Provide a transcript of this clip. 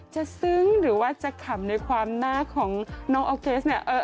ซึ้งหรือว่าจะขำในความหน้าของน้องออร์เกสเนี่ย